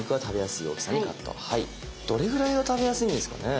どれぐらいが食べやすいんですかね？